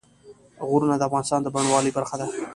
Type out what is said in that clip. غرونه د افغانستان د بڼوالۍ برخه ده.